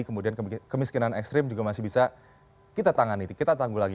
kemudian kemiskinan ekstrim juga masih bisa kita tangani kita tangguh lagi